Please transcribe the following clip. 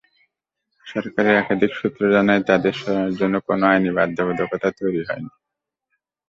সরকারের একাধিক সূত্র জানায়, তাঁদের সরানোর জন্য কোনো আইনি বাধ্যবাধকতা তৈরি হয়নি।